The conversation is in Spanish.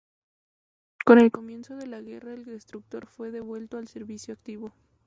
Con el comienzo de la guerra el destructor fue devuelto al servicio activo.